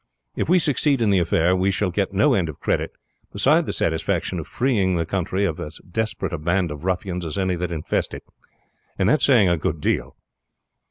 If we succeed in the affair we shall get no end of credit, beside the satisfaction of freeing the country of as desperate a band of ruffians as any that infest it, and that's saying a good deal.